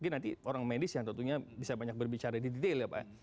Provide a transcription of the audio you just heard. nanti orang medis yang tentunya bisa banyak berbicara di detail ya pak